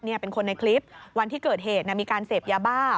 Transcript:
เป็นคนในคลิปวันที่เกิดเหตุมีการเสพยาบ้า